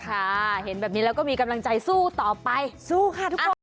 ค่ะเห็นแบบนี้แล้วก็มีกำลังใจสู้ต่อไปสู้ค่ะทุกคน